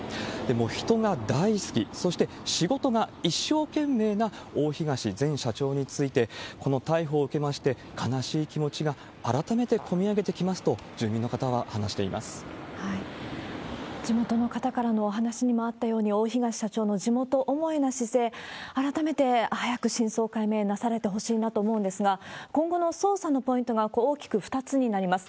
もう人が大好き、そして仕事が一生懸命な大東前社長について、この逮捕を受けまして、悲しい気持ちが改めてこみ上げてきますと、住民の方は話していま地元の方からのお話にもあったように、大東社長の地元思いな姿勢、改めて早く真相解明なされてほしいなと思うんですが、今後の捜査のポイントが大きく２つになります。